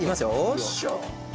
よいしょ！